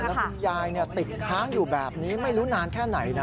แล้วคุณยายติดค้างอยู่แบบนี้ไม่รู้นานแค่ไหนนะ